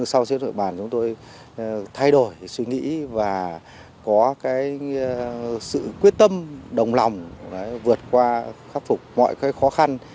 sau khi xuống địa bàn chúng tôi thay đổi suy nghĩ và có sự quyết tâm đồng lòng vượt qua khắc phục mọi khó khăn